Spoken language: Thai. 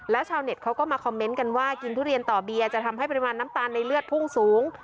แล้วชาวเน็ตเขาก็มาคอมเมนต์กันว่ากินทุเรียนต่อเบียร์จะทำให้ปริมาณน้ำตาลในเลือดพุ่งสูง